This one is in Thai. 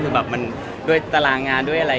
อเจมส์ออกไว้กับท่านเดิม